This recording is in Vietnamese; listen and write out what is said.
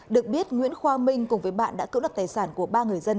được biết nguyễn khoa minh cùng với bạn đã cưỡng đất tài sản của ba người dân